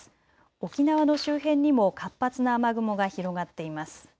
沖縄の周辺にも活発な雨雲が広がっています。